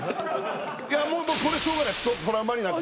いやもうこれしょうがないです